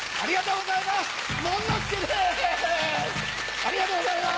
ありがとうございます